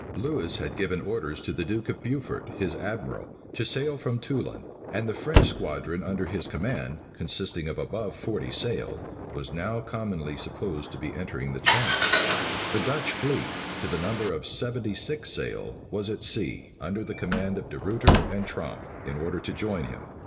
Lewis had given orders to the duke of Beaufort, his admiral, to sail from Toulon; and the French squadron under his command, consisting of above forty sail,[*] was now commonly supposed to be entering the Channel. * D'Estrades, May 21, 1666. The Dutch fleet, to the number of seventy six sail, was at sea, under the command of De Ruyter and Tromp, in order to join him.